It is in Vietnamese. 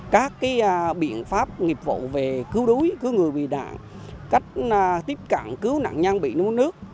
các biện pháp nghiệp vụ về cứu đuối cứu người bị nạn cách tiếp cận cứu nạn nhân bị nuốn nước